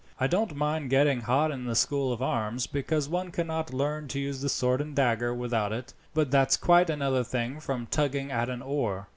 I don't mind getting hot in the School of Arms, because one cannot learn to use the sword and dagger without it, but that's quite another thing from tugging at an oar."